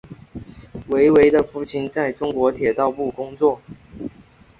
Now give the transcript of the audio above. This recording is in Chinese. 韦唯的父亲在中国铁道部工作。